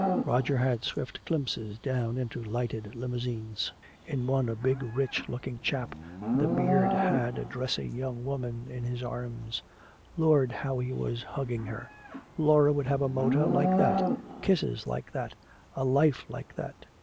Roger had swift glimpses down into lighted limousines. In one a big rich looking chap with a beard had a dressy young woman in his arms. Lord, how he was hugging her! Laura would have a motor like that, kisses like that, a life like that!